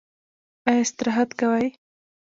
ایا استراحت کوئ؟